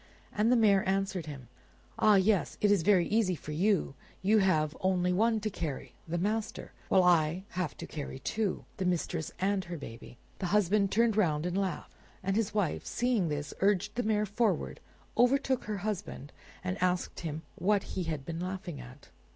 And the mare answered him, "Ah yes, it is all very easy for you: you have only one to carry, the master; while I have to carry two, the mistress and her baby." The husband turned round and laughed, and his wife seeing this, urged the mare forward, overtook her husband, and asked him what he had been laughing at.